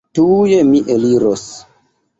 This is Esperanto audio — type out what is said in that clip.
Tuj mi eliros.